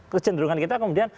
kecenderungan kita kemudian